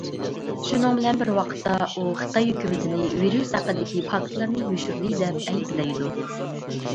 شۇنىڭ بىلەن بىر ۋاقىتتا ئۇ خىتاي ھۆكۈمىتىنى ۋىرۇس ھەققىدىكى پاكىتلارنى يوشۇردى دەپ ئەيىبلەيدۇ.